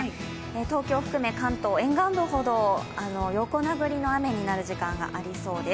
東京含め関東沿岸部ほど横殴りの雨になる時間がありそうです。